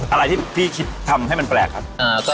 อะไรที่พี่คิดทำให้มันแปลกครับ